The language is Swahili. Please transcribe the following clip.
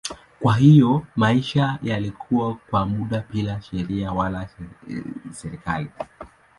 Kwa hiyo maisha yalikuwa kwa muda bila sheria wala serikali.